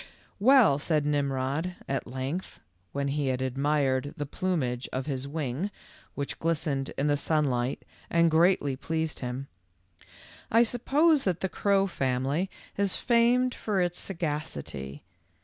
"Well," said Mmrod, at length, when he had admired the plumage of his wing, which glistened in the sunlight and greatly pleased him, " I suppose that the crow family is famed for its sagacity.